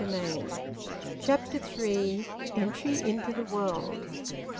VOLUME ONE, CHAPTER THREE. ENTRY INTO THE WORLD.